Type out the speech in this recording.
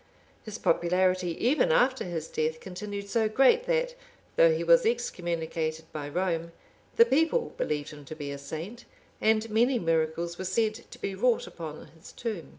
His popularity, even after his death, continued so great, that, though he was excommunicated by Rome, the people believed him to be a saint; and many miracles were said to be wrought upon his tomb.